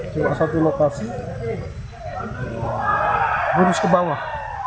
cuma satu lokasi lurus ke bawah